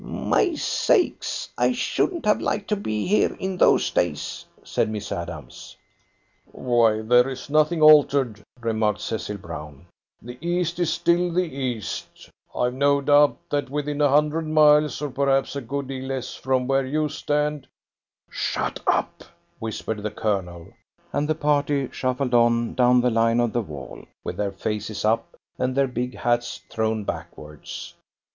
"My sakes, I shouldn't have liked to be here in those days," said Miss Adams. "Why, there's nothing altered," remarked Cecil Brown. "The East is still the East. I've no doubt that within a hundred miles, or perhaps a good deal less, from where you stand " "Shut up!" whispered the Colonel, and the party shuffled on down the line of the wall with their faces up and their big hats thrown backwards.